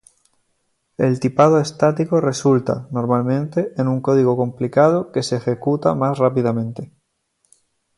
El tipado estático resulta, normalmente, en un código compilado que se ejecuta más rápidamente.